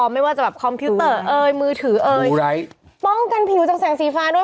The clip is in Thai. ไม่ว่าจะแบบคอมพิวเตอร์เอ่ยมือถือเอ่ยป้องกันผิวจากแสงสีฟ้าด้วย